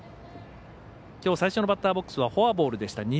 きょう最初のバッターボックスはフォアボールでした。